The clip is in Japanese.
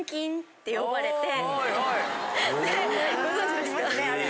って呼ばれて。